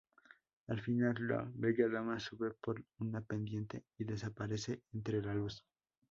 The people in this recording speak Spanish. Al final la "Bella Dama" sube por una pendiente y desaparece entre la luz.